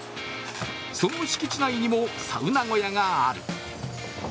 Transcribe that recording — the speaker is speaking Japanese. その敷地内にもサウナ小屋がある。